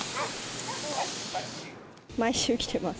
毎週来てます。